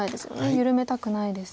緩めたくないです。